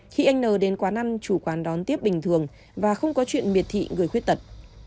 khi anh n đến quán ăn chủ quán đón tiếp bình thường và không có chuyện miệt thị người khuyết tật